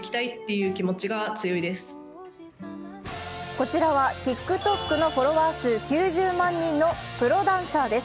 こちらはＴｉｋＴｏｋのフォロワー数９０万人のプロダンサーです。